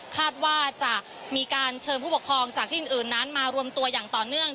คาดว่าจะมีการเชิญผู้ปกครองจากที่อื่นนั้นมารวมตัวอย่างต่อเนื่อง